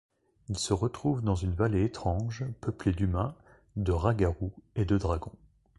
Ils se retrouvent dans une vallée étrange peuplée d'humains, de rats-garous et de dragons.